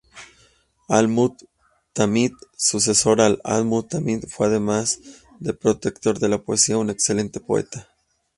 Al-Mu'tamid, sucesor de Al-Mu'tadid, fue además de protector de la poesía un excelente poeta.